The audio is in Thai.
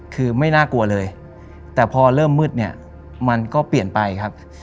คือไม่น่ากลัวเลยแต่พอเริ่มมืดเนี่ยมันก็เปลี่ยนไปครับ